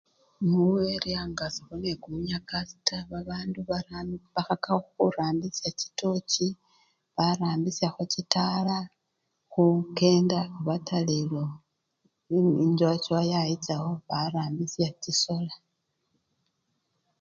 Mu eriya nga sekhuli nende kumunyakasi taa babandu bara! bakhakakho khurambisya chitochi, barambisyakho chitala khukenda obata lelo enchowachowana yayichawo barambisya chisoola.